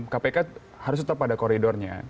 kpk harus tetap ada koridornya